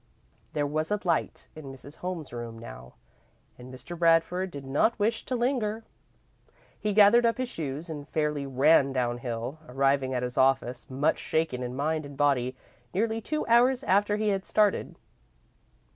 There was a light in Mrs. Holmes's room now, and Mr. Bradford did not wish to linger. He gathered up his shoes and fairly ran downhill, arriving at his office much shaken in mind and body, nearly two hours after he had started.